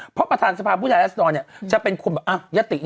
เพราะประธานสภาพูดแทนรัฐศิลป์เนี่ยจะเป็นคนศาตินี้เอาเข้ามาไหม